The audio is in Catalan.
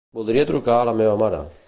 Voldria trucar a la meva mare.